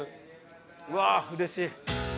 うわーうれしい！